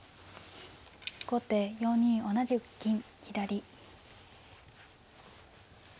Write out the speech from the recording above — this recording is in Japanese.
後手４二同じく金左。